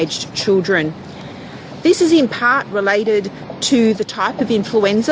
ini berkaitan dengan tipe influenza yang berkumpul influenza b